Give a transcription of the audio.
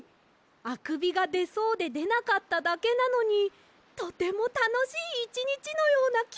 あくびがでそうででなかっただけなのにとてもたのしいいちにちのようなきがしました！